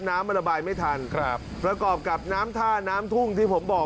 น้ำมันระบายไม่ทันครับประกอบกับน้ำท่าน้ำทุ่งที่ผมบอก